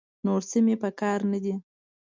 نور څه مې په کار نه دي.